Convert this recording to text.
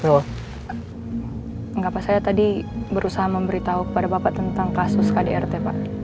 tidak apa apa saya tadi berusaha memberitahu kepada bapak tentang kasus kdrt pak